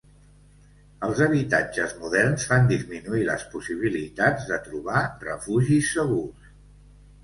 Els habitatges moderns fan disminuir les possibilitats de trobar refugis segurs.